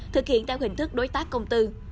thực hiện theo hình thức đối tác công tư